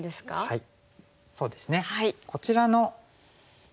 はい。